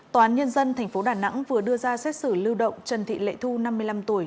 tòa án nhân dân tp đà nẵng vừa đưa ra xét xử lưu động trần thị lệ thu năm mươi năm tuổi